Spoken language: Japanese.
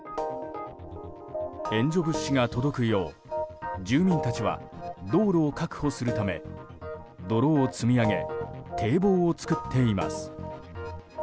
援助物資が届くよう住民たちは道路を確保するため泥を積み上げ堤防を作っています。